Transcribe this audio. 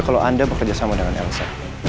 kalau anda bekerja sama dengan elsa